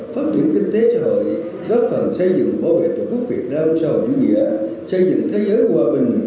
phát triển kinh tế xã hội góp phần xây dựng bảo vệ tổ quốc việt nam sau những dự án xây dựng thế giới hòa bình